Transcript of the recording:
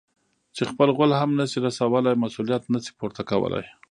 چې خپل غول هم نه شي رسولاى؛ مسؤلیت نه شي پورته کولای.